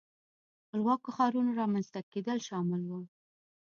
خپلواکو ښارونو رامنځته کېدل شامل وو.